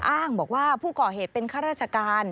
อ้างบอกว่าผู้ก่อเหตุเป็นข้าราชการ